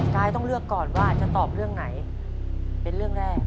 ยายต้องเลือกก่อนว่าจะตอบเรื่องไหนเป็นเรื่องแรก